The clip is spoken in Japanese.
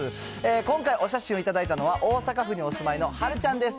今回、お写真を頂いたのは、大阪府にお住まいのはるちゃんです。